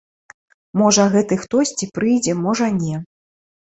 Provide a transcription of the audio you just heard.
Можа гэты хтосьці прыйдзе, можа не.